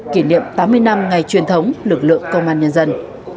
kỷ niệm tám mươi năm ngày truyền thống lực lượng công an nhân dân